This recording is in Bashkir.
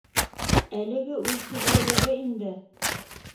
Әлеге үҙ һүҙлелеге инде